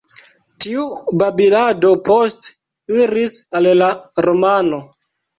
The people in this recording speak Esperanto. Tiu babilado poste iris al la romano.